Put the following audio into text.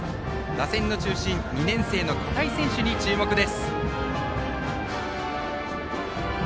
打線の中心２年生の片井選手に注目です。